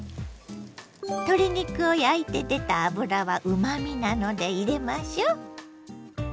鶏肉を焼いて出た脂はうまみなので入れましょ。